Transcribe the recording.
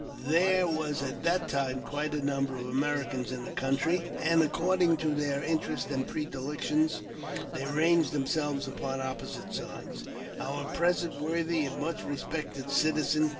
There was at that time quite a number of Americans in the country, and, according to their interests and predilections, they ranged themselves upon opposing sides. Our present worthy and much respected citizen.